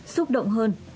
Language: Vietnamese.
xúc động hơn